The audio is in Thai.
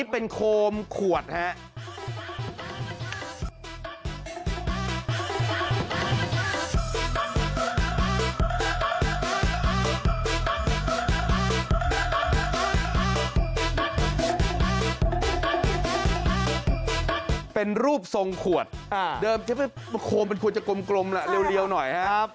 เป็นรูปทรงขวดเดิมโคมมันควรจะกลมแหละเรียวหน่อยครับ